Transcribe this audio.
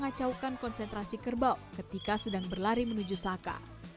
sebagai ritual bertugas mengacaukan konsentrasi kerbau ketika sedang berlari menuju saka